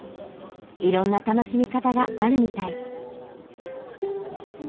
いろんな楽しみ方があるみたい。